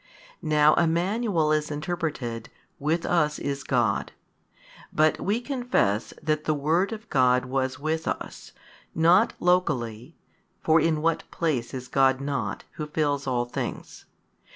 Now Emmanuel is interpreted, With us is God. But we confess that the Word of God was with us, not |187 locally (for in what place is God not, Who fills all things?)